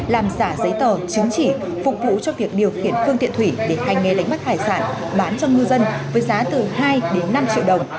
làm giả giấy tờ chứng chỉ phục vụ cho việc điều khiển phương thiện thủy để hành nghề lấy mắt hải sản bán cho ngư dân với giá từ hai năm triệu đồng